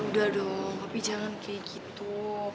ya udah dong papi jangan kayak gitu